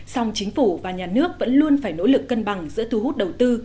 song chính phủ và nhà nước vẫn luôn phải nỗ lực cân bằng giữa thu hút đầu tư